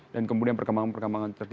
dan kemudian perkembangan perkembangan lainnya